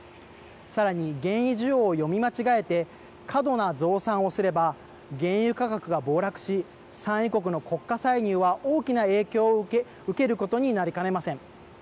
さらに、原油需要を読み間違えて過度な増産をすれば原油価格が暴落し産油国の国家歳入は大きな影響を受けることになりかねません。